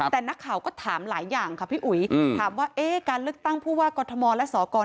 แต่นักข่าวก็ถามหลายอย่างค่ะพี่อุ๋ยถามว่าเอ๊ะการเลือกตั้งผู้ว่ากรทมและสก